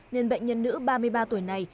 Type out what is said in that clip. nên bệnh nhân nữ ba mươi ba tuổi này